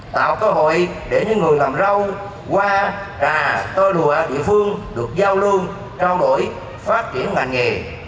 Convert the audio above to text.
tạo cơ hội để những người làm rau hoa trà tơ đùa địa phương được giao lưu trao đổi phát triển ngành nghề